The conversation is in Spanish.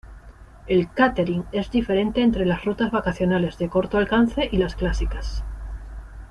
El cáterin es diferente entre las rutas vacacionales de corto alcance y las clásicas.